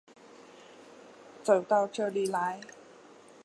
走到这里来